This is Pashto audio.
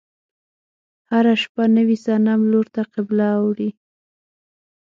هره شپه نوي صنم لور ته قبله اوړي.